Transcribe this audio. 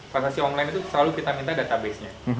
transaksi online itu selalu kita minta data base nya